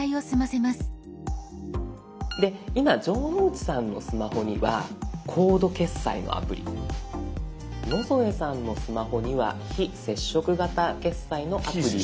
今城之内さんのスマホにはコード決済のアプリ野添さんのスマホには非接触型決済のアプリを。